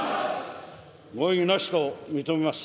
ご異議なしと認めます。